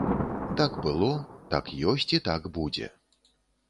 Так было, так ёсць і так будзе.